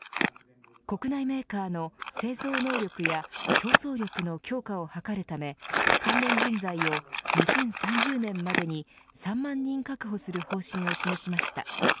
国内メーカーの製造能力や競争力の強化を図るため関連人材を２０３０年までに３万人確保する方針を示しました。